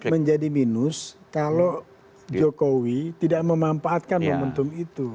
menjadi minus kalau jokowi tidak memanfaatkan momentum itu